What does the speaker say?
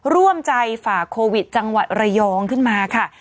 ร่วมใจฝ่าโควิดจังหวัดระยองขึ้นมาค่ะ